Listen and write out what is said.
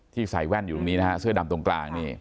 ที่ใส่แว่นอยู่ตรงนี้เสื้อดำตรงกลาง